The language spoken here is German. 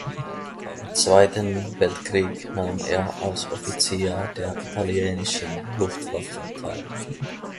Am Zweiten Weltkrieg nahm er als Offizier der italienischen Luftwaffe teil.